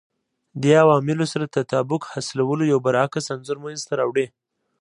دې عواملو سره تطابق حاصلولو یو برعکس انځور منځته راوړي